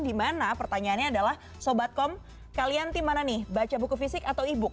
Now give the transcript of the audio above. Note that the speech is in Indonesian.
dimana pertanyaannya adalah sobatkom kalian dimana nih baca buku fisik atau e book